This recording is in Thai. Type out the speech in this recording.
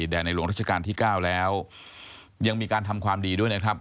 ในหลวงรัชกาลที่๙แล้วยังมีการทำความดีด้วยนะครับ